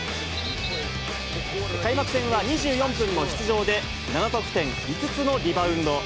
開幕戦は２４分の出場で、７得点、５つのリバウンド。